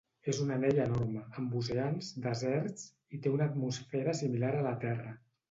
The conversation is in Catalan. És un anell enorme, amb oceans, deserts, i té una atmosfera similar a la Terra.